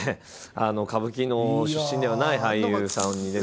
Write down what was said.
歌舞伎の出身ではない俳優さんに出ていただいて。